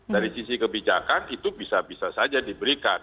dari sisi kebijakan itu bisa bisa saja diberikan